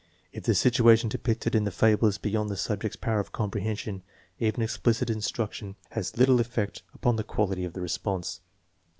If the situation depicted in the fable is beyond the subject's power of comprehension even explicit instruction has little effect upon the quality of the response.